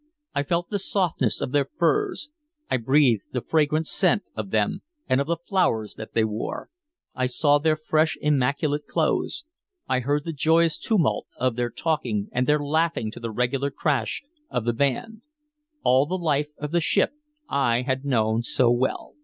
I felt the softness of their furs, I breathed the fragrant scent of them and of the flowers that they wore, I saw their fresh immaculate clothes, I heard the joyous tumult of their talking and their laughing to the regular crash of the band all the life of the ship I had known so well.